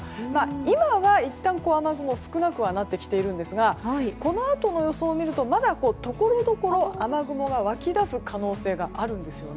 今はいったん雨雲少なくなってきているところもあるんですがこのあとの予想を見るとまだところどころ雨雲が湧き出す可能性があるんです。